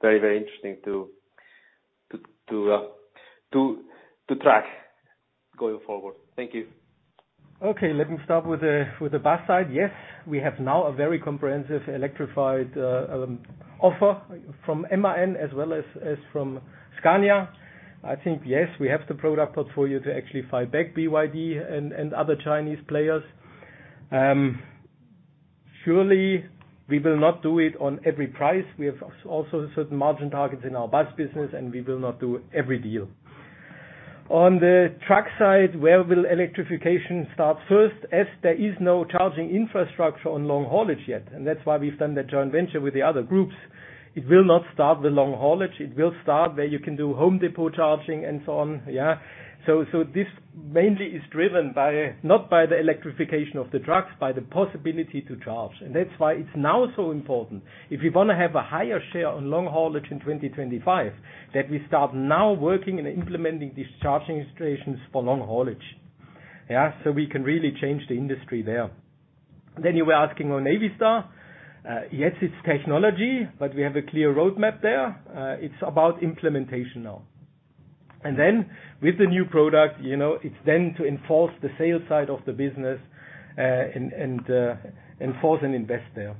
very interesting to track going forward? Thank you. Okay, let me start with the bus side. Yes, we have now a very comprehensive electrified offer from MAN as well as from Scania. I think, yes, we have the product portfolio to actually fight back BYD and other Chinese players. Surely, we will not do it on every price. We have also certain margin targets in our bus business, and we will not do every deal. On the truck side, where will electrification start first? As there is no charging infrastructure on long haulage yet, and that's why we've done the joint venture with the other groups. It will not start the long haulage. It will start where you can do home depot charging and so on. Yeah. This mainly is driven not by the electrification of the trucks, by the possibility to charge. That's why it's now so important. If we want to have a higher share on long haulage in 2025, that we start now working and implementing these charging stations for long haulage. Yeah. We can really change the industry there. You were asking on Navistar. Yes, it's technology, but we have a clear roadmap there. It's about implementation now. With the new product, it's then to enforce the sales side of the business, and enforce and invest there.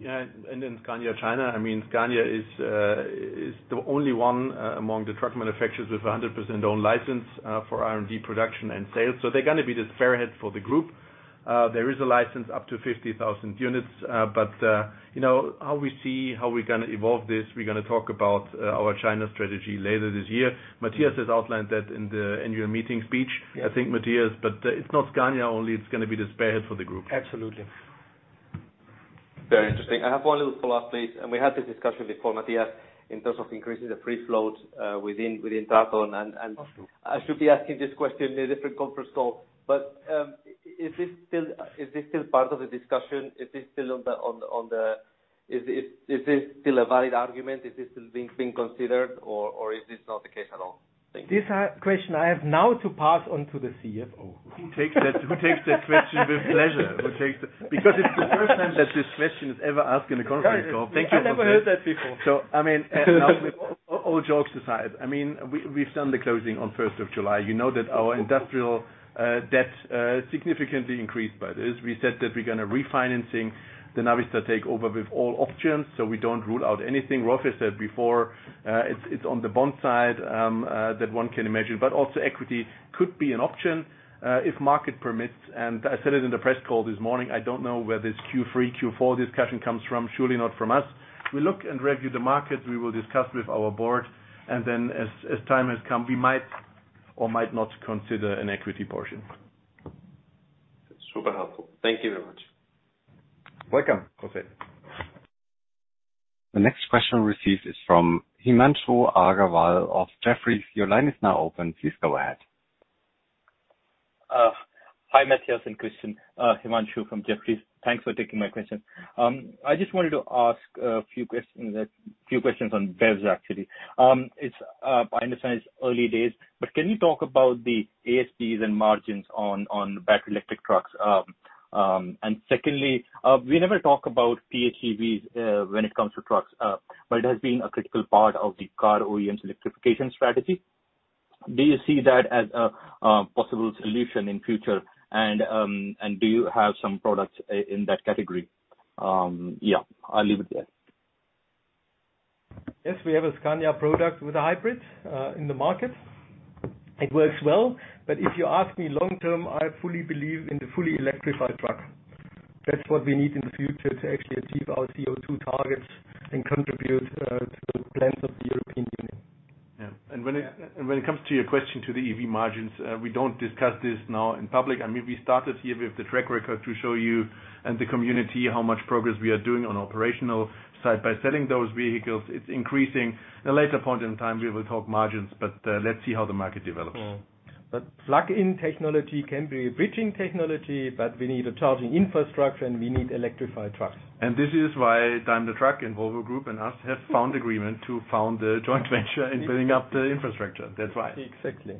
Yeah, Scania China. Scania is the only one among the truck manufacturers with 100% own license for R&D production and sales. They're going to be the spearhead for the group. There is a license up to 50,000 units. How we see how we're going to evolve this, we're going to talk about our China strategy later this year. Matthias has outlined that in your meeting speech. Yeah. I think, Matthias, but it's not Scania only, it's going to be the spearhead for the group. Absolutely. Very interesting. I have one little follow-up, please. We had this discussion before, Matthias, in terms of increasing the free float within TRATON. I should be asking this question in a different conference call. Is this still part of the discussion? Is this still a valid argument? Is this still being considered or is this not the case at all? Thank you. This question I have now to pass on to the CFO. Who takes that question with pleasure? It's the first time that this question is ever asked in a conference call. Thank you. I never heard that before. All jokes aside, we've done the closing on 1st of July. You know that our industrial debt significantly increased by this. We said that we're going to refinancing the Navistar takeover with all options, so we don't rule out anything. Rolf said before, it's on the bond side that one can imagine, but also equity could be an option if market permits. I said it in the press call this morning, I don't know where this Q3, Q4 discussion comes from. Surely not from us. We look and review the market, we will discuss with our board, and then, as time has come, we might or might not consider an equity portion. Super helpful. Thank you very much. Welcome José. The next question received is from Himanshu Agarwal of Jefferies. Your line is now open. Please go ahead. Hi, Matthias and Christian. Himanshu from Jefferies. Thanks for taking my question. I just wanted to ask a few questions on BEVs, actually. I understand it's early days, but can you talk about the ASPs and margins on battery electric trucks? Secondly, we never talk about PHEVs when it comes to trucks, but it has been a critical part of the car OEM's electrification strategy. Do you see that as a possible solution in future and, do you have some products in that category? Yeah, I'll leave it there. Yes, we have a Scania product with a hybrid in the market. It works well. If you ask me long-term, I fully believe in the fully electrified truck. That's what we need in the future to actually achieve our CO2 targets and contribute to the plans of the European Union. Yeah. When it comes to your question to the EV margins, we don't discuss this now in public. We started here with the track record to show you and the community how much progress we are doing on operational side by selling those vehicles. It's increasing. A later point in time, we will talk margins, but let's see how the market develops. Plug-in technology can be a bridging technology, but we need a charging infrastructure, and we need electrified trucks. This is why Daimler Truck and Volvo Group and us have found agreement to found a joint venture in building up the infrastructure. That's why. Exactly.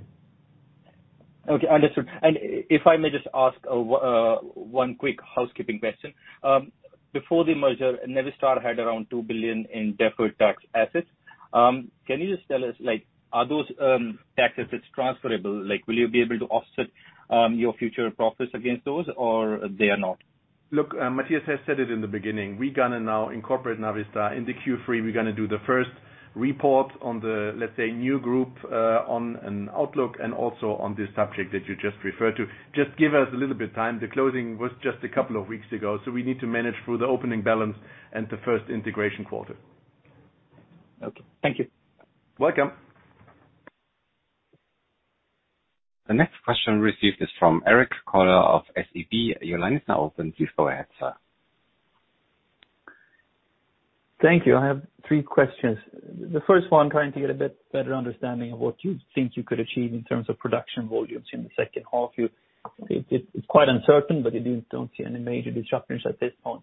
Okay, understood. If I may just ask one quick housekeeping question. Before the merger, Navistar had around 2 billion in deferred tax assets. Can you just tell us, are those tax assets transferable? Will you be able to offset your future profits against those or they are not? Look, Matthias has said it in the beginning. We're going to now incorporate Navistar. In the Q3, we're going to do the first report on the, let's say, new group, on an outlook, and also on this subject that you just referred to. Just give us a little bit of time. The closing was just a couple of weeks ago, so we need to manage through the opening balance and the first integration quarter. Okay. Thank you. Welcome. The next question received is from Erik Golrang of SEB. Your line is now open. Please go ahead, sir. Thank you. I have three questions. The first one, trying to get a bit better understanding of what you think you could achieve in terms of production volumes in the second half. It's quite uncertain, but you don't see any major disruptions at this point.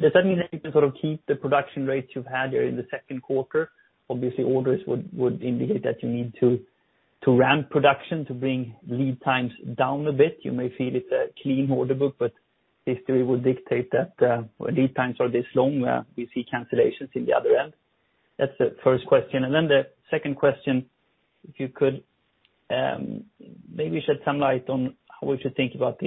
Does that mean that you can sort of keep the production rates you've had there in the second quarter? Obviously, orders would indicate that you need to ramp production to bring lead times down a bit. You may feel it's a clean order book, but history would dictate that, where lead times are this long, we see cancellations in the other end. That's the first question. Then the second question, if you could, maybe shed some light on how we should think about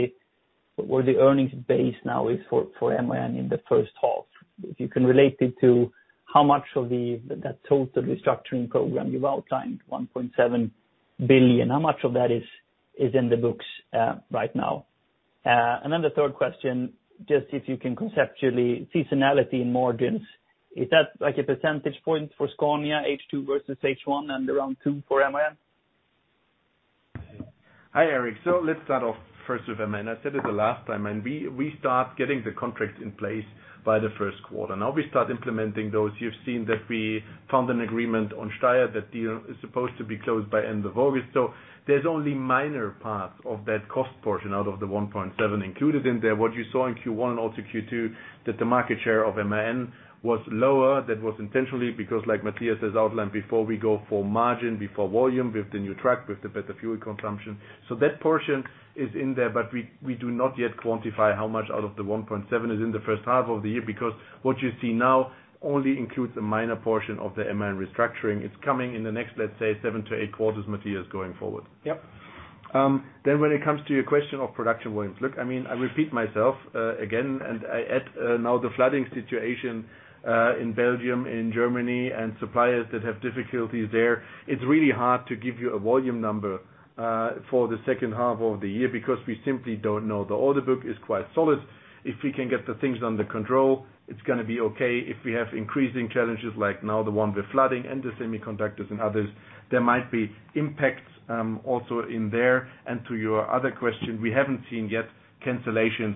where the earnings base now is for MAN in the first half? If you can relate it to how much of that total restructuring program you've outlined, 1.7 billion, how much of that is in the books right now? The third question, just if you can conceptually, seasonality in margins, is that like a percentage point for Scania H2 versus H1 and around two for MAN? Hi, Erik. Let's start off first with MAN. I said it the last time, we start getting the contracts in place by the first quarter. Now we start implementing those. You've seen that we found an agreement on Steyr. That deal is supposed to be closed by end of August. There's only minor parts of that cost portion out of the 1.7 included in there. What you saw in Q1 and also Q2, that the market share of MAN was lower. That was intentionally because, like Matthias has outlined before, we go for margin before volume with the new truck, with the better fuel consumption. That portion is in there, but we do not yet quantify how much out of the 1.7 is in the first half of the year, because what you see now only includes a minor portion of the MAN restructuring. It's coming in the next, let's say, seven to eight quarters, Matthias, going forward. Yep. When it comes to your question of production volumes. Look, I repeat myself again, and I add now the flooding situation in Belgium, in Germany, and suppliers that have difficulties there. It's really hard to give you a volume number for the second half of the year because we simply don't know. The order book is quite solid. If we can get the things under control, it's going to be okay. If we have increasing challenges like now, the one with flooding and the semiconductors and others, there might be impacts also in there. To your other question, we haven't seen yet cancellations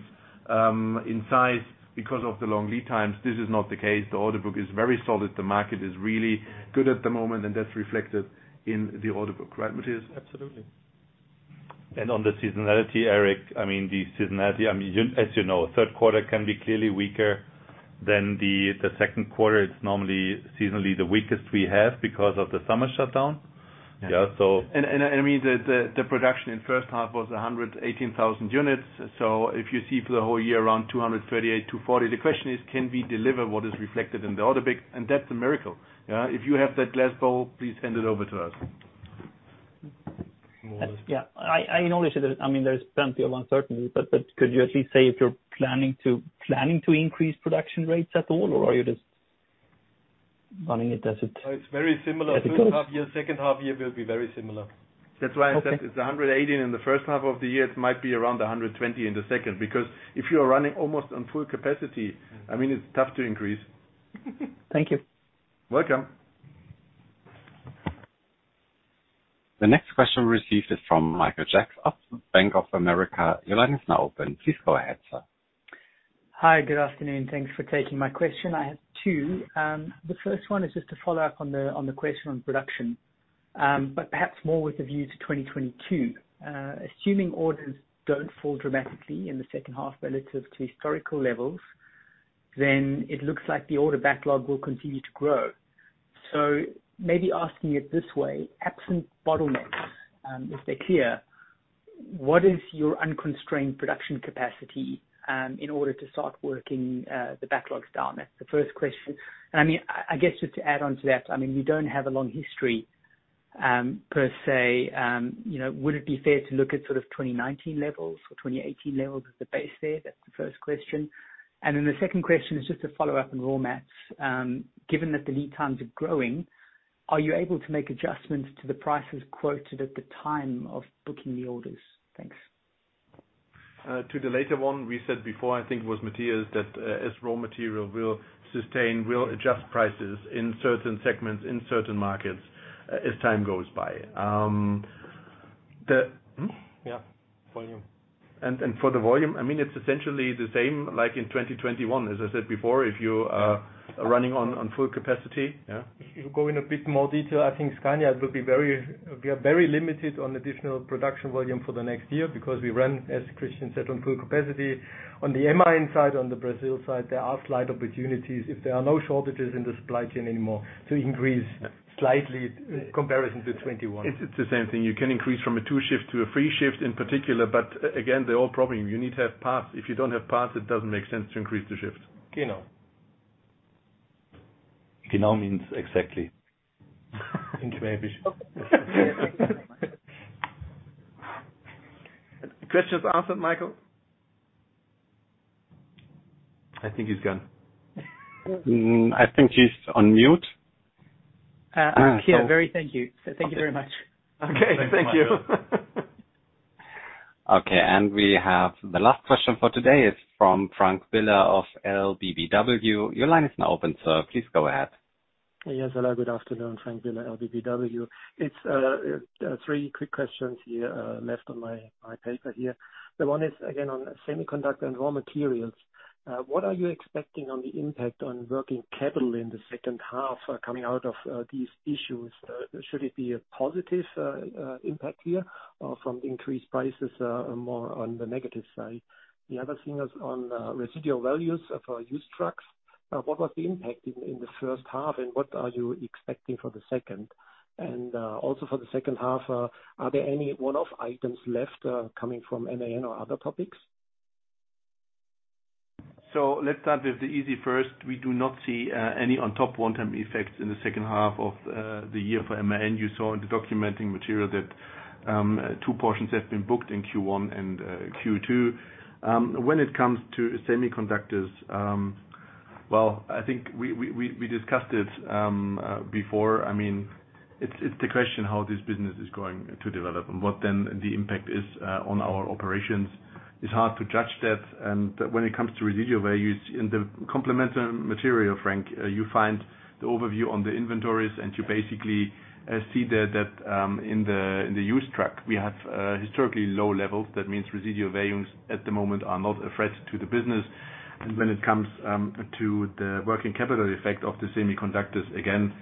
in size because of the long lead times. This is not the case. The order book is very solid. The market is really good at the moment, and that's reflected in the order book. Right, Matthias? Absolutely. On the seasonality, Erik, the seasonality, as you know, third quarter can be clearly weaker than the second quarter. It's normally seasonally the weakest we have because of the summer shutdown. The production in the first half was 118,000 units. If you see for the whole year around 238,000-240,000. The question is, can we deliver what is reflected in the order book? That's a miracle. If you have that glass bowl, please send it over to us. Yeah. I acknowledge that there is plenty of uncertainty, but could you actually say if you're planning to increase production rates at all, or are you just running it? It's very similar. First half year, second half year will be very similar. That's why I said it's 118,000 in the first half of the year. It might be around 120,000 in the second, because if you are running almost on full capacity, it's tough to increase. Thank you. Welcome. The next question received is from Michael Jacks of Bank of America. Your line is now open. Please go ahead, sir. Hi. Good afternoon. Thanks for taking my question. I have two. The first one is just to follow up on the question on production, but perhaps more with a view to 2022. Assuming orders don't fall dramatically in the second half relative to historical levels, it looks like the order backlog will continue to grow. Maybe asking it this way, absent bottlenecks, if they're clear, what is your unconstrained production capacity in order to start working the backlogs down? That's the first question. I guess just to add onto that, you don't have a long history per se. Would it be fair to look at sort of 2019 levels or 2018 levels as the base there? That's the first question. The second question is just a follow-up on raw mats. Given that the lead times are growing, are you able to make adjustments to the prices quoted at the time of booking the orders? Thanks. To the later one, we said before, I think it was Matthias, that as raw material will sustain, we will adjust prices in certain segments, in certain markets as time goes by. Yeah. Volume. For the volume, it's essentially the same like in 2021. As I said before, if you are running on full capacity, yeah. If you go in a bit more detail, I think Scania will be very limited on additional production volume for the next year because we ran, as Christian said, on full capacity. On the MAN side, on the Brazil side, there are slight opportunities, if there are no shortages in the supply chain anymore, to increase slightly in comparison to 2021. It's the same thing. You can increase from a two-shift to a three-shift in particular, but, again, the old problem. You need to have parts. If you don't have parts, it doesn't make sense to increase the shifts. Questions answered, Michael? I think he's gone. I think he's on mute. I'm here. Thank you. Thank you very much. Okay. Thank you. Okay. We have the last question for today is from Frank Biller of LBBW. Your line is now open, sir. Please go ahead. Yes. Hello, good afternoon. Frank Biller, LBBW. It's three quick questions here, left on my paper here. One is again on semiconductor and raw materials. What are you expecting on the impact on working capital in the second half coming out of these issues? Should it be a positive impact here or from increased prices, more on the negative side? The other thing is on residual values for used trucks. What was the impact in the first half, and what are you expecting for the second? Also, for the second half, are there any one-off items left coming from MAN or other topics? Let's start with the easy first. We do not see any on top one-time effects in the second half of the year for MAN. You saw in the documenting material that two portions have been booked in Q1 and Q2. When it comes to semiconductors, well, I think we discussed it before. It's the question how this business is going to develop and what the impact is on our operations. It's hard to judge that. When it comes to residual values, in the complementary material, Frank, you find the overview on the inventories, and you basically see that in the used truck, we have historically low levels. That means residual values at the moment are not a threat to the business. When it comes to the working capital effect of the semiconductors, again,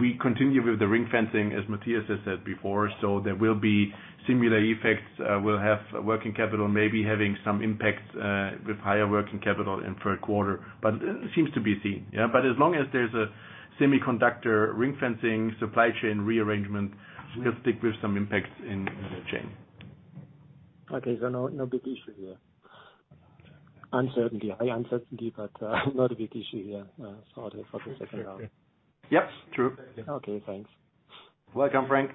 we continue with the ring fencing, as Matthias has said before. There will be similar effects. We'll have working capital maybe having some impacts with higher working capital in third quarter. It seems to be seen. As long as there's a semiconductor ring-fencing supply chain rearrangement, we'll stick with some impacts in the chain. Okay, no big issue here. Uncertainty. High uncertainty, but not a big issue here for the second round. Yep. True. Okay, thanks. Welcome, Frank.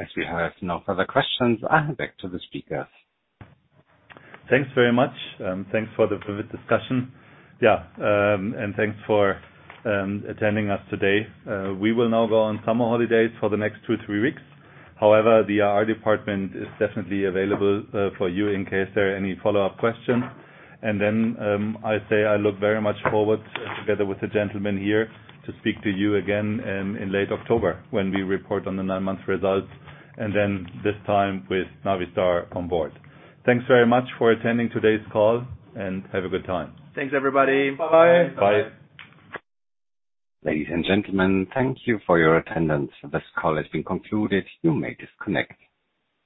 As we have no further questions, back to the speakers. Thanks very much. Thanks for the vivid discussion. Yeah. Thanks for attending us today. We will now go on summer holidays for the next two to three weeks. However, the IR department is definitely available for you in case there are any follow-up questions. I say I look very much forward, together with the gentlemen here, to speak to you again in late October when we report on the nine-month results, and then this time with Navistar on board. Thanks very much for attending today's call, and have a good time. Thanks, everybody. Bye. Ladies and gentlemen, thank you for your attendance. This call has been concluded. You may disconnect.